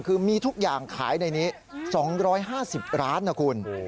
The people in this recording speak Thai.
คือมีทุกอย่างขายในนี้๒๕๐ร้านนะคุณ